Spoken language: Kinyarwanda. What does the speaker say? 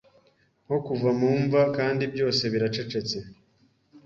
nko kuva mu mva Kandi byose biracecetse